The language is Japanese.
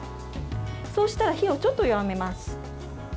そうしたら火をちょっと弱めます。